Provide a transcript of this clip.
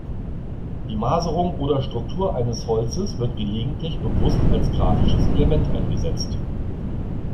Die Maserung oder Struktur eines Holzes wird gelegentlich bewusst als grafisches Element eingesetzt.